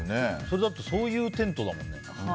それだとそういうテントだもんね。